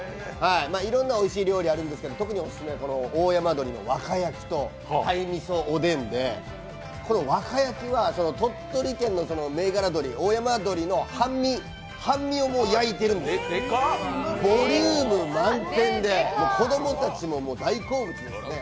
いろんなおいしい料理あるんですけど特にオススメなのが大山どりわかやきと鯛味噌おでんで、このわかやきは鳥取県の銘柄鶏、大山どりの半身を焼いているんですボリューム満点でもう子供たちも大好物ですね。